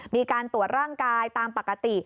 มีการตรวจร่างกายตามปกติ